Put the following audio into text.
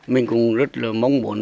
mình cũng rất là mong muốn